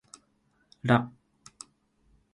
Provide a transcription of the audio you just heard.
ら